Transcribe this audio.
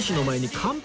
乾杯！